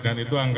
dan itu angka